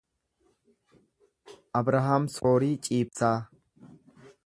Abrahaam Soorii Ciibsaa